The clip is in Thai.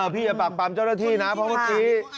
พี่อย่าปักปรำเจ้าหน้าที่นะพ่อพุทธที่